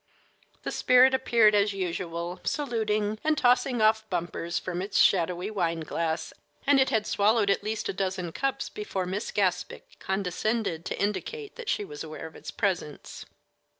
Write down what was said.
The spirit appeared as usual, saluting, and tossing off bumpers from its shadowy wine glass, and it had swallowed at least a dozen cups before Miss Gaspic condescended to indicate that she was aware of its presence.